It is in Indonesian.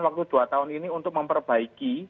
waktu dua tahun ini untuk memperbaiki